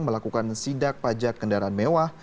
melakukan sidak pajak kendaraan mewah